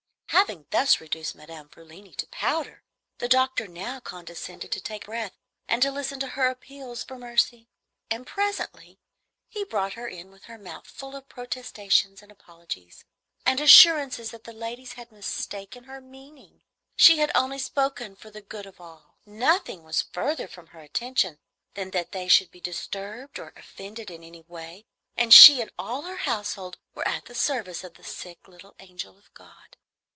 Having thus reduced Madame Frulini to powder, the doctor now condescended to take breath and listen to her appeals for mercy; and presently he brought her in with her mouth full of protestations and apologies, and assurances that the ladies had mistaken her meaning, she had only spoken for the good of all; nothing was further from her intention than that they should be disturbed or offended in any way, and she and all her household were at the service of "the little sick angel of God."